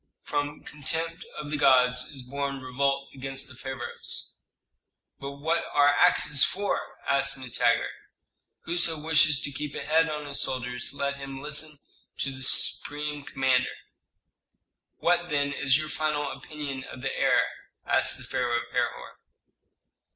From contempt of the gods is born revolt against the pharaohs." "But what are axes for?" asked Nitager. "Whoso wishes to keep a head on his shoulders let him listen to the supreme commander." "What then is your final opinion of the heir?" asked the pharaoh of Herhor.